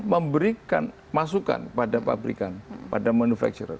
memberikan masukan pada pabrikan pada manufacture